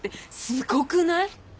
すごくない？